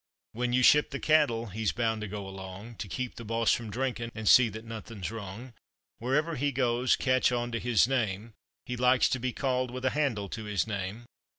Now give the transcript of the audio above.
When you ship the cattle he's bound to go along To keep the boss from drinking and see that nothing's wrong. Wherever he goes, catch on to his name, He likes to be called with a handle to his name.